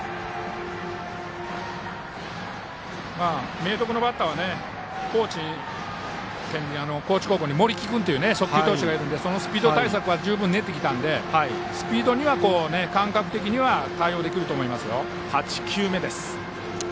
明徳のバッターは高知高校に速球投手がいるのでそのスピード対策は十分に練ってきたのでスピードには、感覚的には対応できると思いますよ。